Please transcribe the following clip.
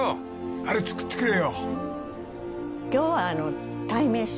あれ作ってくれよ］